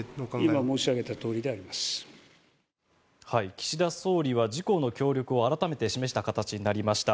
岸田総理は自公の協力を改めて示した形になりました。